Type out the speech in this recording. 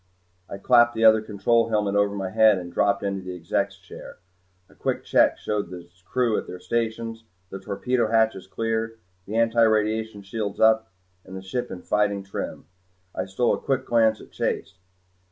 I clapped the other control helmet over my head and dropped into the Exec's chair. A quick check showed the crew at their stations, the torpedo hatches clear, the antiradiation shields up and the ship in fighting trim. I stole a quick glance at Chase.